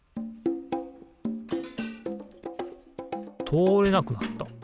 とおれなくなった。